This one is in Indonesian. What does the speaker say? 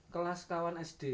kelas sekawan sd